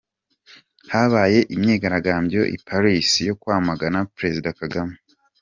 Habaye imyigaragambyo i Paris yo kwamagana Prezida Kagame.